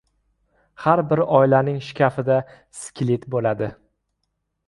• Har bir oilaning shkafida skelet bo‘ladi.